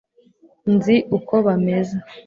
nzi uko bameze